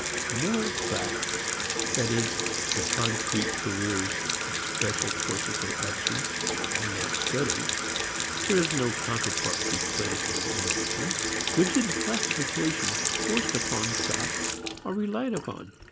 Moral facts, that is the concrete careers of special courses of action, are not studied. There is no counterpart to clinical medicine. Rigid classifications forced upon facts are relied upon.